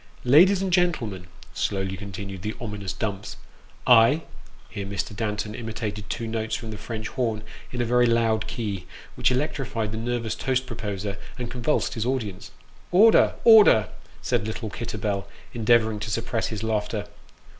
" Ladies and gentlemen," slowly continued the ominous Dumps, " I " (here Mr. Danton imitated two notes from the French horn, in a very loud key, which electrified the nervous toast proposer, and con vulsed his audience). " Order 1 order !" said little Kitterbell, endeavouring to suppress his laughter.